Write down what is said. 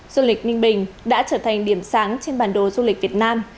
du lịch ninh bình đã trở thành điểm sáng trên bản đồ du lịch việt nam